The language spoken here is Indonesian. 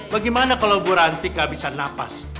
bagaimana kalau bu rantik gak bisa nafas